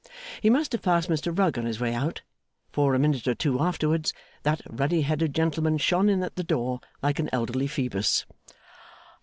He must have passed Mr Rugg on his way out, for, a minute or two afterwards, that ruddy headed gentleman shone in at the door, like an elderly Phoebus.